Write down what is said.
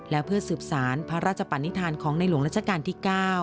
และเพื่อสืบสารพระราชปนิษฐานของในหลวงราชการที่๙